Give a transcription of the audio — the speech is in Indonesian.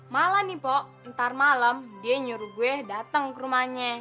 malah nih pok ntar malam dia nyuruh gue datang ke rumahnya